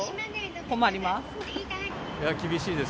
困ります。